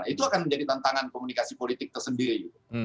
itu akan menjadi tantangan komunikasi politik tersendiri